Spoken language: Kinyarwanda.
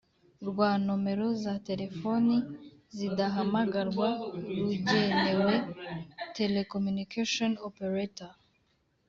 rwa nomero za telefoni zidahamagarwa rugenewe telecommunication operator